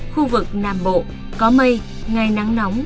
khu vực nam bộ có mây ngày nắng nóng